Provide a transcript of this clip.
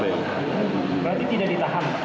berarti tidak ditahan